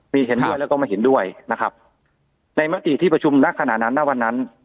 มีเห็นด้วยแล้วก็ไม่เห็นด้วยนะครับในมติที่ประชุมนักขณะนั้นณวันนั้น